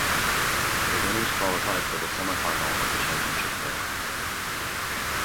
The winners qualified for the semifinal of the championship playoff.